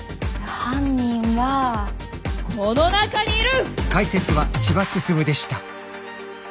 犯人はこの中にいる！